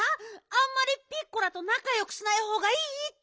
あんまりピッコラとなかよくしないほうがいいって！